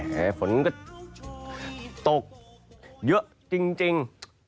ฝนก็ตกเยอะจริง